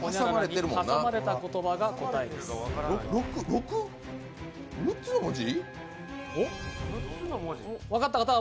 ６、６つの文字？